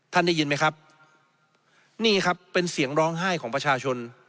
ได้ยินไหมครับนี่ครับเป็นเสียงร้องไห้ของประชาชน